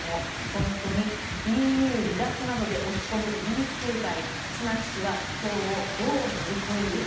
ポイント２ＥＵ離脱などで落ち込むイギリス経済スナク氏は苦境をどう乗り越える？